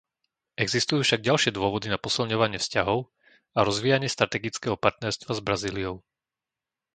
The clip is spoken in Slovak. Existujú však ďalšie dôvody na posilňovanie vzťahov a rozvíjanie strategického partnerstva s Brazíliou.